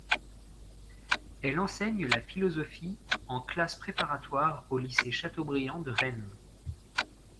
Elle enseigne la philosophie en classes préparatoires au lycée Chateaubriand de Rennes.